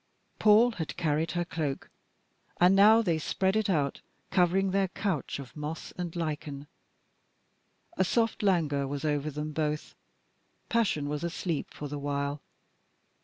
Paul had carried her cloak, and now they spread it out, covering their couch of moss and lichen. A soft languor was over them both. Passion was asleep for the while.